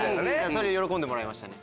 それ喜んでもらえましたね。